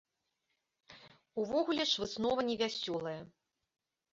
Увогуле ж выснова невясёлая.